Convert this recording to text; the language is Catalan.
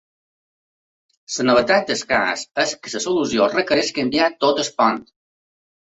La novetat del cas és que la solució requereix canviar tot el pont.